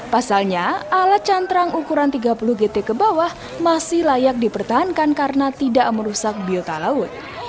pasalnya alat cantrang ukuran tiga puluh gt ke bawah masih layak dipertahankan karena tidak merusak biota laut